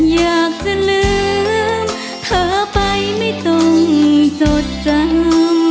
อยากจะลืมเธอไปไม่ต้องจดจำ